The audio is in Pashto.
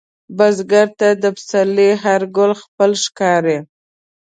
بزګر ته د پسرلي هر ګل خپل ښکاري